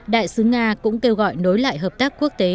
đại sứ nga cũng kêu gọi nối lại hợp tác quốc tế